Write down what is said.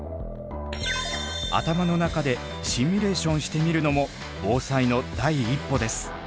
頭の中でシミュレーションしてみるのも防災の第一歩です。